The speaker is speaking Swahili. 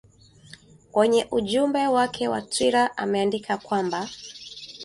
kwenye ujumbe wake wa twitter ameandika kwamba